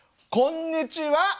こんにちは！